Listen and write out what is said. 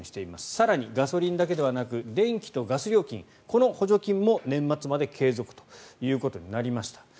更にガソリンだけでなく電気とガス料金の補助金も年末まで継続となりました。